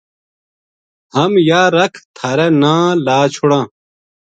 ہم یاہ رَکھ تھارے ناں لا چھُڑاں